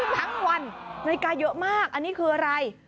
ทั้งวันนาฬิกาเยอะมากอันนี้คืออะไร